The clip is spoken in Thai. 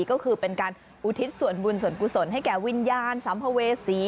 ก็คือเป็นการอุทิศส่วนบุญส่วนกุศลให้แก่วิญญาณสัมภเวษี